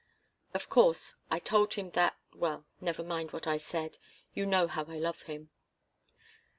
Of course, I told him that well, never mind what I said. You know how I love him."